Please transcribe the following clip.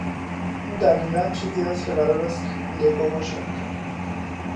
این دقیقا چیزی است که قرار است لگو باشد.